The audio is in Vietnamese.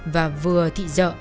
và vừa thị dợ